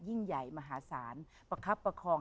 ยิ่งใหญ่มหาศาลประคับประคอง